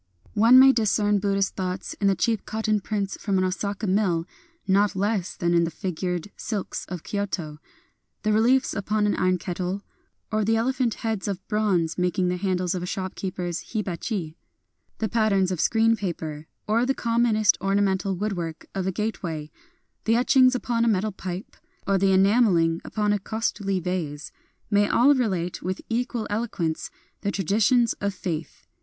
One may discern Buddhist thoughts in the cheap cotton prints from an Osaka mill not less than in the fig ured silks of Kyoto. The reliefs upon an iron kettle, or the elephant heads of bronze making the handles of a shopkeeper's hiba chi ;— the patterns of screen paper, or the commonest ornamental woodwork of a gate way ;— the etchings upon a metal pipe, or the enameling upon a costly vase, — may all relate, with equal eloquence, the traditions of faith.